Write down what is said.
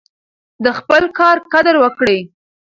د خپل کار قدر وکړئ.